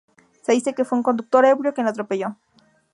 Se dice que fue un conductor ebrio quien lo atropelló.